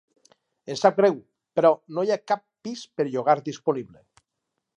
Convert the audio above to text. Em sap greu, però no hi ha cap pis per llogar disponible.